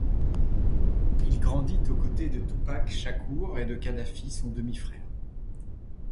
Il grandit aux côtés de Tupac Shakur et de Khadafi, son demi-frère.